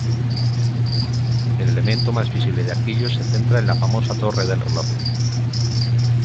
El elemento más visible de Arquillos se centra en la famosa Torre del reloj.